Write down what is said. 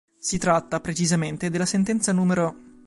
Si tratta, precisamente della sentenza n.